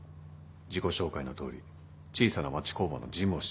自己紹介のとおり小さな町工場の事務をしてる。